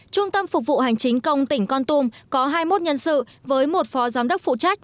trung tâm phục vụ hành chính công tỉnh con tum có hai mươi một nhân sự với một phó giám đốc phụ trách